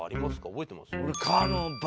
覚えてますか？